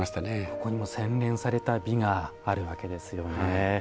ここにも洗練された美があるわけですよね。